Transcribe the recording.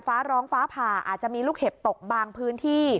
ฟ้าร้องฟ้าผ่าอาจจะมีลูกเห็บตกบางพื้นที่